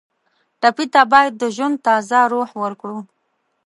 ټپي ته باید د ژوند تازه روح ورکړو.